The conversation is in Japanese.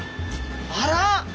あら！